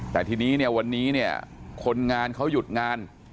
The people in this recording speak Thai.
แต่ทีนี้เนี่ยวันนี้เนี่ยคนงานเขาหยุดงาน